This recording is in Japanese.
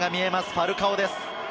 ファルカオです。